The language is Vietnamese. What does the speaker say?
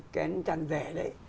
kén trang rẻ đấy